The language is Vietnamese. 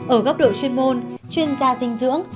ở góc độ chuyên môn chuyên gia dinh dưỡng